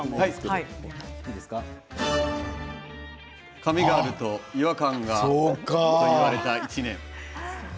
髪があると違和感と言われた１年。